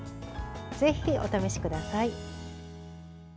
ぜひお試しください。